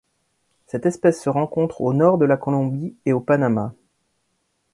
Cette espèce se rencontre au Nord de la Colombie et au Panama.